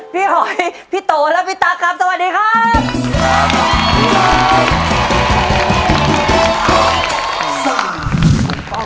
หอยพี่โตและพี่ตั๊กครับสวัสดีครับ